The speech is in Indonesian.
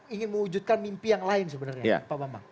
ingin mewujudkan mimpi yang lain sebenarnya pak bambang